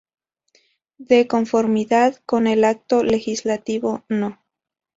De conformidad con el Acto Legislativo No.